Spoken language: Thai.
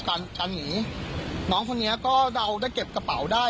การการหนีน้องคนนี้ก็เดาได้เก็บกระเป๋าได้